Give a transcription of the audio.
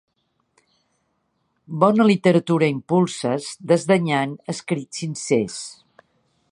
Bona literatura impulses desdenyant escrits sincers!